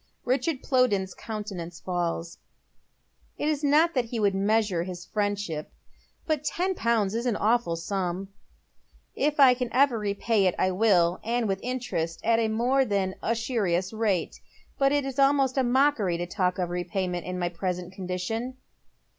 Richard Plowden's countenance falls. It is not thst he would measure his fiiendship, but ten pounds is an awful sura. " If I ever can repay it I will, and with interest at a more than •usurious rate. But it is almost a mockery to talk of repayment in my present condition."